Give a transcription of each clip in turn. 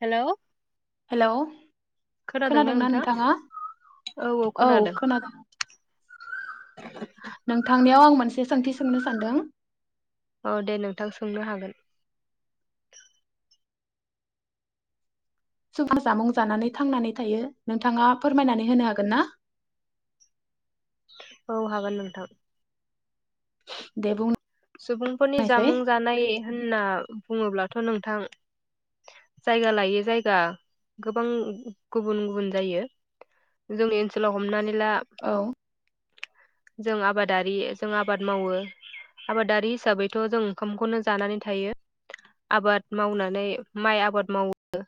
हेल' hello खोनादोंना नोंथां नोंथाङा औ खोनादों नोंथांनियाव आं मोनसे सोंथि सोंनो सानदों। औ दे नोंथां सोंनो हागोन। [unintelligible] जामुं जानानै थांनानै थायो नोंथाङा फोरमायनानै होनो हागोन ना? औ हागोन नोंथां। दे सुबुंफोरनि बुंनायसाय जामुं जानाय होनना बुङोब्लाथ' नोंथां जायगा लायै जायगा गोबां गुबुन गुबुन जायो जोंनि ओनसोलाव हमनानै ला औ जों आबादारि जों आबाद मावो। आबादारि हिसाबैथ' जों ओंखामखौनो जानानै थायो आबाद मावनानै माइ आबाद मावो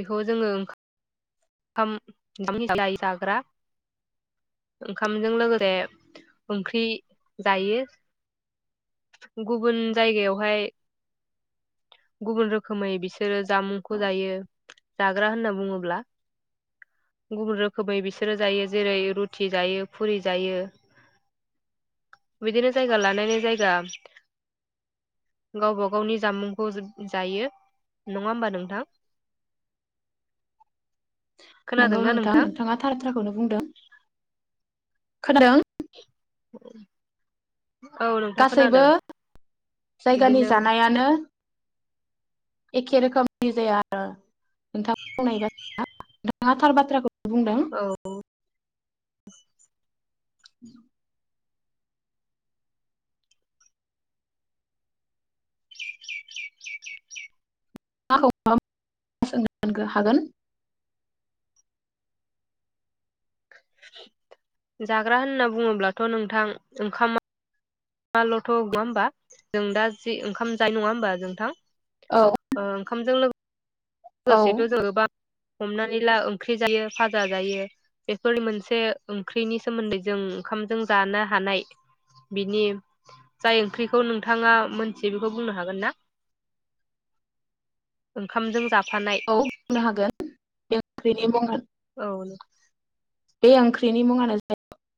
बेखौ जोङो ओंखाम ओंखाम जाग्रा ओंखामजों लोगोसे ओंख्रि जायो गुबुन जायगायावहाय गुबुन रोखोमै बिसोरो जामुंखौ जायो जाग्रा होनना बुङोब्ला गुबुन रोखोमै बिसोरो जायो जेरै रुथि जायो फुरि जायो बिदिनो जायगा लानायनि जायगा गावबा गावनि जामुंखौ जायो नङा होमबा नोंथां। नंगौ नोंथां नोंथाङा थारथ्राखौनो बुंदों। खोनादों। उ गासैबो जायगानि बिदिनो जानायानो एखेेरोखोमनि जायो आरो। नोंथां बुंनाय बाथ्राया [inaudible] नोंथाङा थार बाथ्राखौ। बुंदों। औ [inaudible] [inaudible] हागोन। जाग्रा होनना बुङोब्लाथ' नोंथां ओंखामा माल'थ' नङा होमबा जों दा जि ओंखाम जायो नङा होमबा नोंथां औ ओ ओंखामजों लोगो औ [unintelligible] सेथ' जोङोबा हमनानै ला ओंख्रि जायो भाजा जायो बेफोर मोनसे ओंख्रिनि सोमोन्दै जों ओंखामजों जानो हानाय बिनि जाय ओंख्रिखौ नोंथाङा मोनथियो बेखौ बुंनो हागोन ना ओंखामजों जा साननाय औ बुंनो हागोन [unintelligible] औ नो। बे ओंख्रिनि मुङानो [unintelligible]